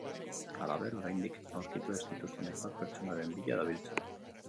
Halaber, oraindik aurkitu ez dituzten hainbat pertsonaren bila dabiltza.